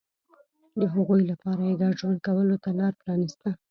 د هغوی لپاره یې ګډ ژوند کولو ته لار پرانېسته.